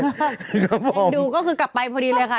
เอ็นดูก็คือกลับไปพอดีเลยค่ะ